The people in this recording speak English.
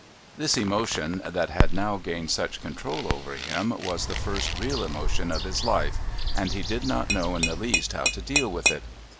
This emotion that had now gained such control over him was the first real emotion of his life, and he did not know in the least how to deal with it.